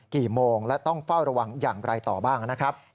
กี่โมงและต้องเฝ้าระวังอย่างไรต่อบ้างนะครับ